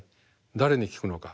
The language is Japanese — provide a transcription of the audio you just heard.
誰に聞くのか。